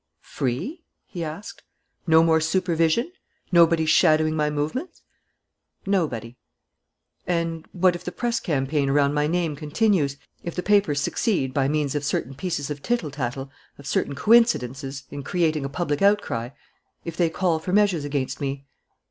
"Free?" he asked. "No more supervision? Nobody shadowing my movements?" "Nobody." "And what if the press campaign around my name continues, if the papers succeed, by means of certain pieces of tittle tattle, of certain coincidences, in creating a public outcry, if they call for measures against me?"